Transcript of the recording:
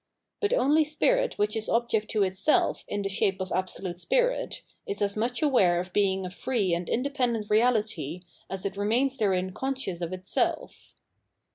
But only spirit which is object to itself in the shape of Absolute Spirit, is as much aware of being a free and independent reahty as it remains therein conscious of itself.